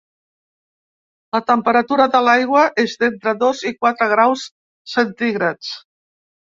La temperatura de l’aigua és d’entre dos i quatre graus centígrads.